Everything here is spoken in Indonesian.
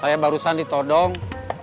saya barusan ditodong